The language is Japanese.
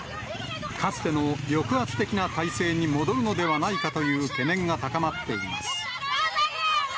かつての抑圧的な体制に戻るのではないかという懸念が高まっています。